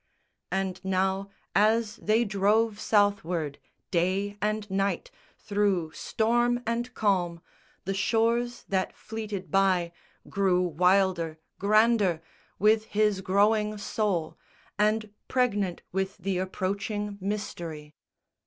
And now, as they drove Southward, day and night, Through storm and calm, the shores that fleeted by Grew wilder, grander, with his growing soul, And pregnant with the approaching mystery.